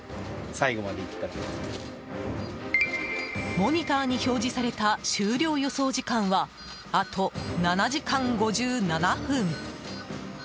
モニターに表示された終了予想時間はあと７時間５７分。